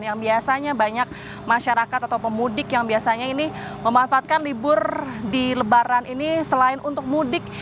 yang biasanya banyak masyarakat atau pemudik yang biasanya ini memanfaatkan libur di lebaran ini selain untuk mudik